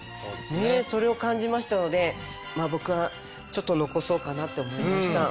それを感じましたので僕はちょっと残そうかなって思いました。